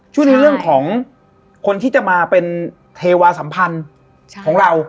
ช่วงนี้เรื่องของคนที่จะมาเป็นเทวาสัมพันธ์ของเรา